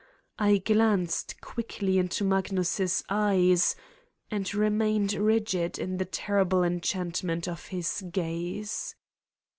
I glanced quickly into Magnus' eyes and remained rigid in the terrible enchantment of his gaze.